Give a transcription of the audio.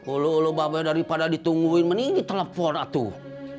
ulu ulu bang daripada ditungguin mending di telepon atuh